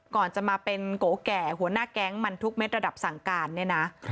ก่อนจะมาเป็นโกแก่หัวหน้าแก๊งมันทุกเม็ดระดับสั่งการเนี่ยนะ